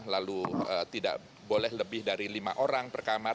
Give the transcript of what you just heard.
lalu tidak boleh lebih dari lima orang per kamar